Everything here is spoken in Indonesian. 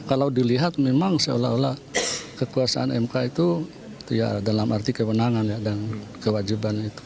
kalau dilihat memang seolah olah kekuasaan mk itu ya dalam arti kewenangan dan kewajiban itu